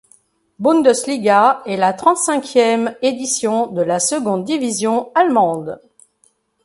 Bundesliga est la trente-cinquième édition de la seconde division allemande.